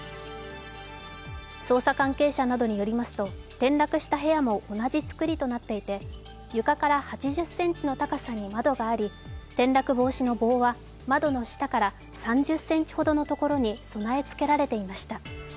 捜査関係者などによりますと、転落した部屋も同じ作りとなっていて床から８０ｃｍの高さに窓があり転落防止の棒は窓の下から３０ｃｍほどのところに備えつけられていました。